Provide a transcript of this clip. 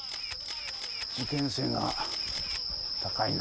事件性が高いな。